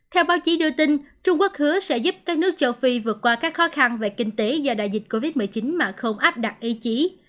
theo báo chí đưa tin trung quốc hứa sẽ giúp các nước châu phi vượt qua các khó khăn về kinh tế do đại dịch covid một mươi chín mà không áp đặt ý chí